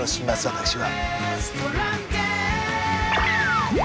私は。